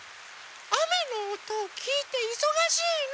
あめのおとをきいていそがしいの。